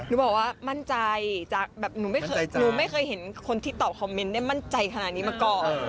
หนูบอกว่ามั่นใจจากแบบหนูไม่เคยหนูไม่เคยเห็นคนที่ตอบคอมเมนต์ได้มั่นใจขนาดนี้มาก่อน